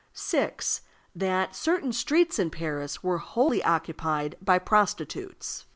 (6.) That certain streets in Paris were wholly occupied by prostitutes.